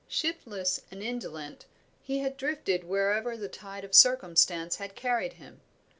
Shiftless and indolent, he had drifted wherever the tide of circumstance had carried him.